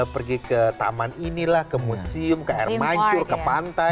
pergi ke taman inilah ke museum ke air mancur ke pantai